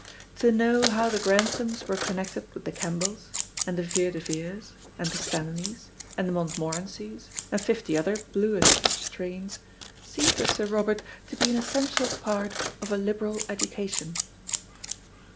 To know how the Granthams were connected with the Campbells, and the Vere de Veres, and the Stanleys, and the Montmorencies, and fifty other bluest strains, seemed to Sir Robert to be an essential part of a liberal education.